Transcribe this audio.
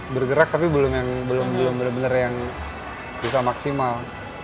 bergerak tapi belum bener bener yang bisa maksimal